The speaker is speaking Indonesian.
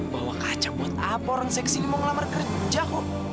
bawa kaca buat apa orang saya kesini mau ngelamar kerja kok